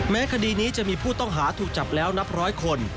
คดีนี้จะมีผู้ต้องหาถูกจับแล้วนับร้อยคน